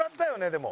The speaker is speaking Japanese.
でも。